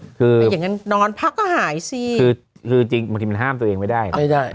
ดูอย่างงั้นนอนพักก็หายสิคือจริงบางทีมันห้ามตัวเองไม่ได้